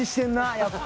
やっぱ。